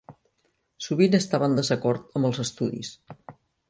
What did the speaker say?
Sovint estava en desacord amb els estudis.